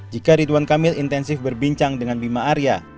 jika ridwan kamil intensif berbincang dengan bima arya